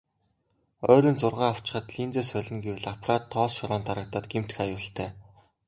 Ойрын зургаа авчхаад линзээ солино гэвэл аппарат тоос шороонд дарагдаад гэмтэх аюултай.